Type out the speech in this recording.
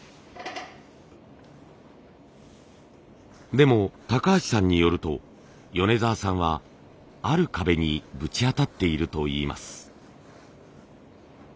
でも橋さんによると米澤さんはある壁にぶち当たっているといいます。